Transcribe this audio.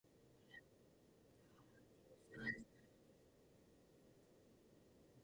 Jēziņ, šitik daudz skraidījusi pa pasauli neesmu pat miera laikā. Kāda pašizolācija?